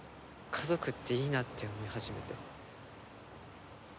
家族っていいなって思い始めて。